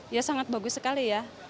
ya sangat bagus sekali ya